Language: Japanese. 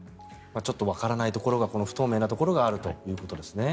ちょっとわからないところがこの不透明なところがあるということですね。